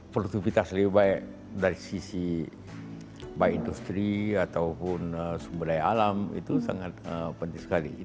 produktivitas lebih baik dari sisi baik industri ataupun sumber daya alam itu sangat penting sekali